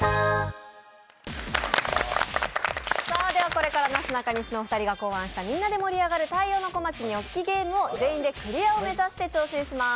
これからなすなかにしのお二人が考案した、みんなで盛り上がる「太陽のＫｏｍａｃｈｉニョッキゲーム」を全員でクリアを目指して挑戦します。